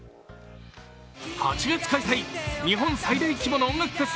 ８月開催、日本最大規模の音楽フェス